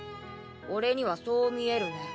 俺にはそう見えるね。